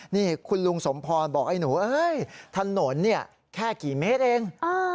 นี่คุณลุงสมพรบอกไอ้หนูถนนเนี่ยแค่กี่เมตรเอง